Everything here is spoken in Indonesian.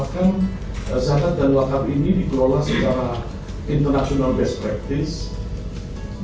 kita harapkan zakat dan wakaf ini diperolah secara international best practice